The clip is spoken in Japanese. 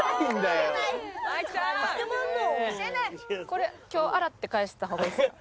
これ今日洗って返した方がいいですか？